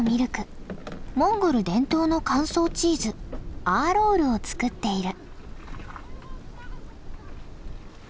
モンゴル伝統の乾燥チーズアーロールを作っている。